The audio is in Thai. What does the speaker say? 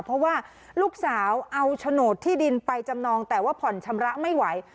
เพราะว่าลูกสาวเอาโฉนดที่ดินไปจำนองแต่ว่าผ่อนชำระไม่ไหว